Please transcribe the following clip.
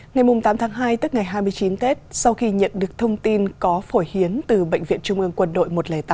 ngày tám tháng hai tức ngày hai mươi chín tết sau khi nhận được thông tin có phổ hiến từ bệnh viện trung ương quân đội một trăm linh tám